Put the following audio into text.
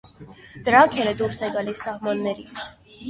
Դրաքերը դուրս է գալիս սահմաններից։